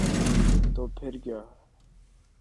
تو پھر کیا؟